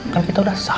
kan kita udah sah